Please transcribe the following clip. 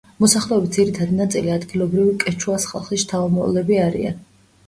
მოსახლეობის ძირითადი ნაწილი ადგილობრივი კეჩუას ხალხის შთამომავლები არიან.